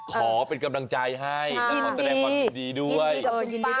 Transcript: ขอเป็นกำลังใจให้และขอแสดงความยินดีด้วย